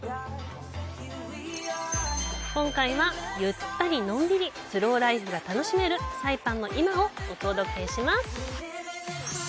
今回は、ゆったりのんびりスローライフが楽しめるサイパンの今をお届けします！